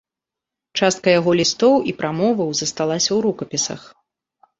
Частка яго лістоў і прамоваў засталася ў рукапісах.